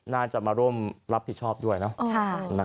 น่าจะมาร่วมรับผิดชอบด้วยเนาะ